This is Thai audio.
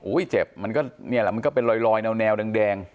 อุ้ยเจ็บมันก็เป็นรอยแนวแดง